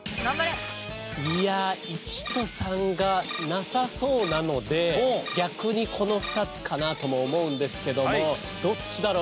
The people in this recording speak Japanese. いやあ１と３がなさそうなので逆にこの２つかなとも思うんですけどもどっちだろうな？